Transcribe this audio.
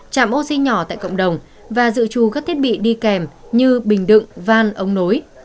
chạm oxy nhỏ tại cộng đồng và dự trù các thiết bị đi kèm như bình đựng van ống nối